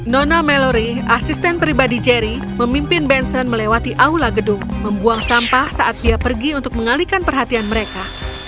nona melory asisten pribadi jerry memimpin benson melewati aula gedung membuang sampah saat dia pergi untuk mengalihkan perhatian mereka